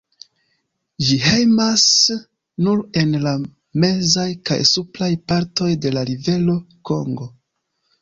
Ĝi hejmas nur en la mezaj kaj supraj partoj de la rivero Kongo.